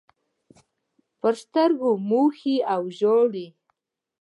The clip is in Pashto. پر سترګو موښي او ژاړي.